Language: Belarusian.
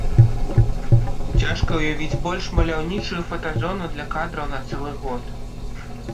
Цяжка ўявіць больш маляўнічую фотазону для кадраў на цэлы год.